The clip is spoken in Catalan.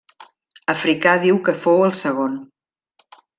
Africà diu que fou el segon.